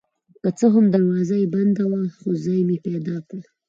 که څه هم دروازه یې بنده وه خو ځای مې پیدا کړ.